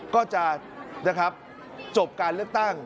ก็จะจบการเลือกตั้ง